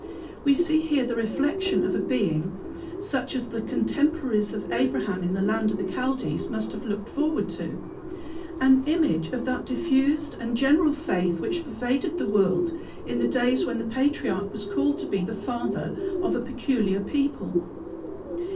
........ We see here the reflection of a Being such as the contemporaries of Abraham in the land of the Chaldees must have looked forward to an image of that diffused and general faith which pervaded the world in the days when the patriarch was called to be the Father of a peculiar people.